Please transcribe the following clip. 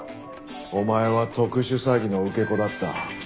お前は特殊詐欺の受け子だった。